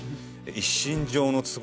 「一身上の都合」。